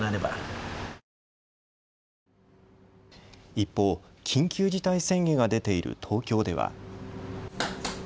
一方、緊急事態宣言が出ている東京では。